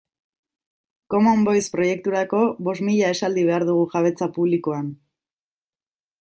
Common Voice proiekturako bost mila esaldi behar dugu jabetza publikoan